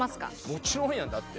もちろんやんだって。